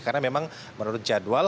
karena memang menurut jadwal